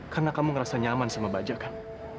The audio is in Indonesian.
karena kamu ngerasa nyaman sama bajak kan